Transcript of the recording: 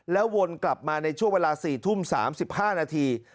วนกลับมาในช่วงเวลา๔ทุ่ม๓๕นาที